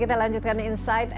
kita lanjutkan insight